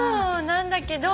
なんだけど。